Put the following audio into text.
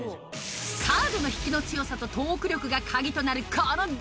カードの引きの強さとトーク力が鍵となるこのゲーム